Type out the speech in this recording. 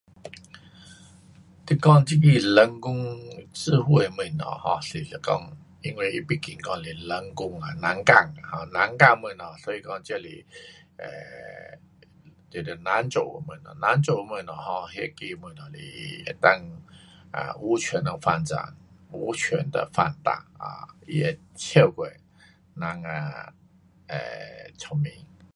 你说这个人工智慧的东西 um 是是讲那忘记讲是人工啊，人工的东西 um 所以说这是 um 这是人做的东西，人做的东西 um 那个东西是能够 um 无穷的发展。无穷的发达。um 它会超过人的 um 聪明。